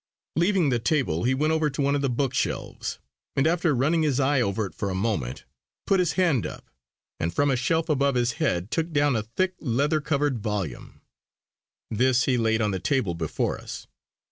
Leaving the table he went over to one of the bookshelves, and after running his eye over it for a moment, put his hand up and from a shelf above his head took down a thick leather covered volume. This he laid on the table before us.